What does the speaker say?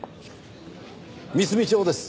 三澄町です。